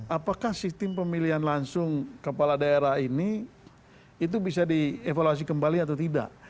apakah sistem pemilihan langsung kepala daerah ini itu bisa dievaluasi kembali atau tidak